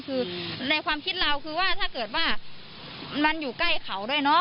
คือในความคิดเราคือว่าถ้าเกิดว่ามันอยู่ใกล้เขาด้วยเนาะ